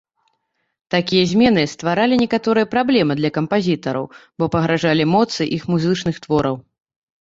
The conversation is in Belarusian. Такія змены стваралі некаторыя праблемы для кампазітараў, бо пагражалі моцы іх музычных твораў.